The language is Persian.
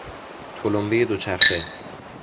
تلمبهی دوچرخه